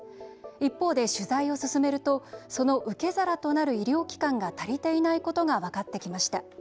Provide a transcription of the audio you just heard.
一方で取材を進めるとその受け皿となる医療機関が足りていないことが分かってきました。